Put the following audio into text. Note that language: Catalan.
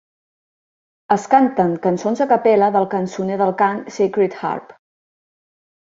Es canten cançons a cappella del cançoner del cant Sacred Harp.